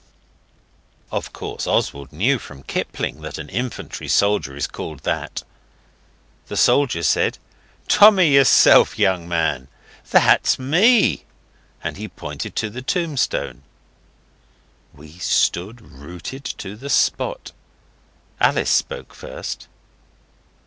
Of course Oswald knew from Kipling that an infantry soldier is called that. The soldier said 'Tommy yourself, young man. That's ME!' and he pointed to the tombstone. We stood rooted to the spot. Alice spoke first.